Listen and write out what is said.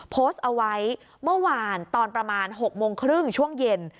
โพสต์เอาไว้เมื่อวานตอนประมาณ๖โมงครึ่งช่วงเย็น